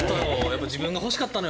自分が欲しかったのよ。